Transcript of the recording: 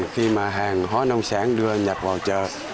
khi mà hàng hóa nông sản đưa nhập vào chợ